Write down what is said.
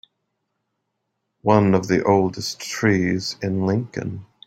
One of the oldest trees in Lincoln.